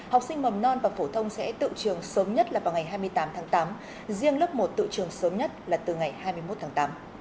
học sinh mầm non và phổ thông sẽ tự trường sớm nhất là vào ngày hai mươi tám tháng tám riêng lớp một tự trường sớm nhất là từ ngày hai mươi một tháng tám